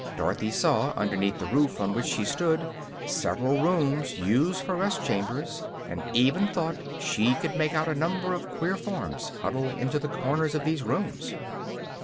Dorothy saw, underneath the roof on which she stood, several rooms used for rest chambers, and even thought she could make out a number of queer forms huddled into the corners of these rooms.